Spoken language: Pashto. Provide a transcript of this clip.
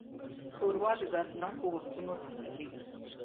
ښوروا د دردناکو وختونو تسلي ده.